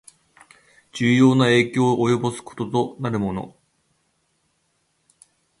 重要な影響を及ぼすこととなるもの